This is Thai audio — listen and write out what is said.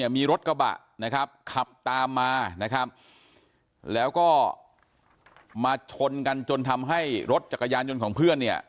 มีรถกระบะขับตามมาแล้วก็มาชนกันจนทำให้รถจักรยานยนต์ของเพื่อน